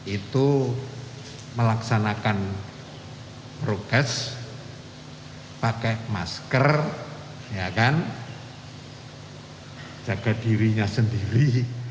itu melaksanakan progres pakai masker ya kan jaga dirinya sendiri